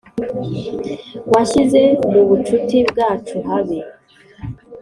wanshyize mubucuti bwacu habi.